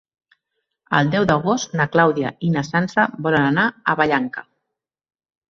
El deu d'agost na Clàudia i na Sança volen anar a Vallanca.